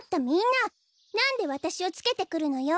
なんでわたしをつけてくるのよ！